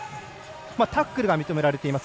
タックルが認められています。